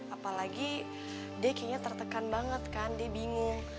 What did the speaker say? apalagi dia kayaknya tertekan banget kan dia bingung